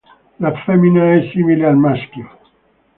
La femmina è simile al maschio.